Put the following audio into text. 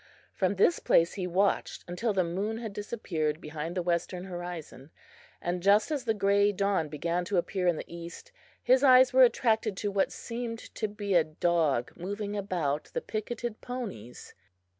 From this place he watched until the moon had disappeared behind the western horizon; and just as the grey dawn began to appear in the east his eyes were attracted to what seemed to be a dog moving among the picketed ponies.